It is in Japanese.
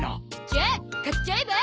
じゃあ買っちゃえば？